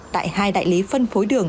tại hai đại lý phân phối đường